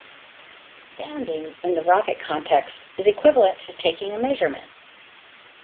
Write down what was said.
"Sounding" in the rocket context is equivalent to "taking a measurement".